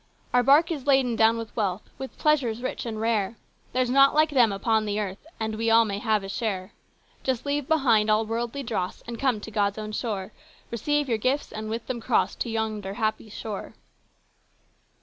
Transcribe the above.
Our bark is laden down with wealth, with pleasures rich and rare : There's naught like them upon the earth, and we all may have a share. Just leave behind all worldly dross and come to God's own store, Receive your gifts and with them cross to yonder happy shore."